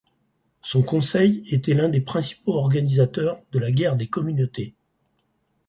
Son conseil était l'un des principaux organisateurs de la guerre des communautés.